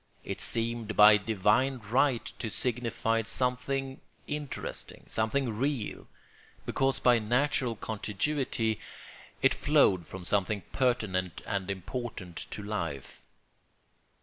It seemed by divine right to signify something interesting, something real, because by natural contiguity it flowed from something pertinent and important to life.